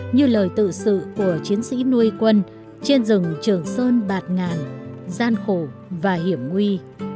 như lời tự sự của chiến sĩ nuôi quân trên rừng trường sơn bạt ngàn gian khổ và hiểm nguy